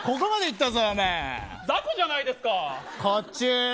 雑魚じゃないですか。